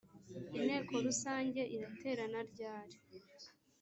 inteko rusange iraterana ryari